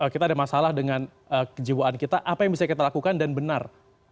kita ada masalah dengan kejiwaan kita apa yang bisa kita lakukan dan benar